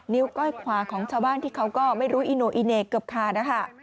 ก้อยขวาของชาวบ้านที่เขาก็ไม่รู้อีโนอิเน่เกือบขาดนะคะ